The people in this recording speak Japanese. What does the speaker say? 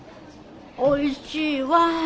おいしいわあ。